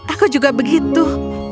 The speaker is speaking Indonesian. aku juga begitu